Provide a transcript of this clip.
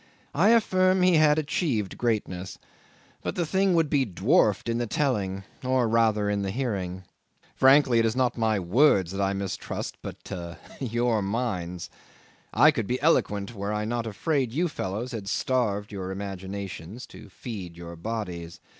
I affirm he had achieved greatness; but the thing would be dwarfed in the telling, or rather in the hearing. Frankly, it is not my words that I mistrust but your minds. I could be eloquent were I not afraid you fellows had starved your imaginations to feed your bodies.